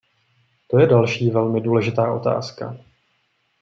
To je další velmi důležitá otázka.